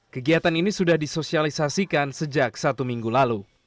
kegiatan ini sudah disosialisasikan sejak satu minggu lalu